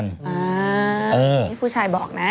นี่ผู้ชายบอกนะ